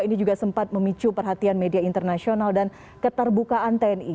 ini juga sempat memicu perhatian media internasional dan keterbukaan tni